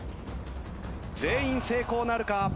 全員成功なるか？